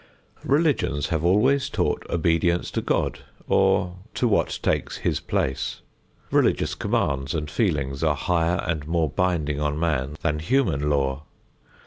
Religions have always taught obedience to God or to what takes His place. Religious commands and feelings, are higher and more binding on man than human law.